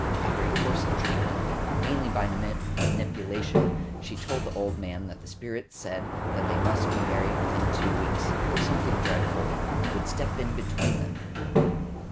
After a course of treatment, mainly by manipulation, she told the old man that the spirits said that they must be married within two weeks, or something dreadful "would step in between them."